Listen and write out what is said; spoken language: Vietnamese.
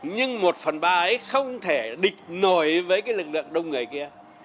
nhưng một phần ba ấy không thể định nổi với cái lực lượng đông người kia